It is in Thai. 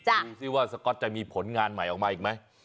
ดูสิว่าสก๊อตจะมีผลงานใหม่ออกมาอีกไหม